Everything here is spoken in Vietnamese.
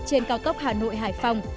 trên cao cốc hà nội hải phòng